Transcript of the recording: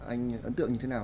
anh ấn tượng như thế nào